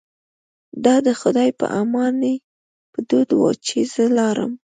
دا د خدای په امانۍ په دود و چې زه لاړم.